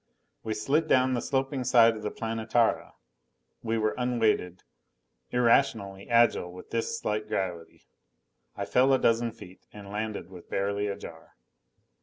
We slid down the sloping side of the Planetara. We were unweighted, irrationally agile with this slight gravity. I fell a dozen feet and landed with barely a jar.